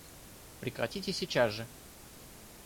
Прекратите сейчас же!